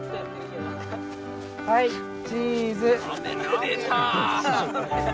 はいチーズ。